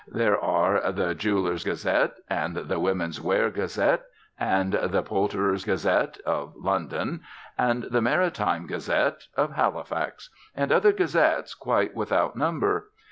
There are The Jewellers' Gazette and The Women's Wear Gazette and The Poulterers' Gazette (of London), and The Maritime Gazette (of Halifax), and other gazettes quite without number.